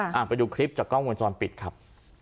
ค่ะอ่าไปดูคลิปจากกล้องวนซ้อนปิดครับ